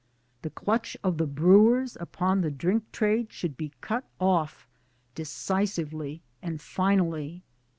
The clutch of the Brewers upon the drink! trade should be cut off decisively and finally.